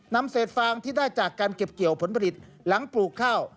นำเศษฟางที่ได้จากการเก็บเกี่ยวผลผลิตหลังปลูกข้าว